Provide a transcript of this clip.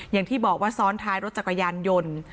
อย่างที่บอกว่าซ้อนท้ายรถจักรยานยนต์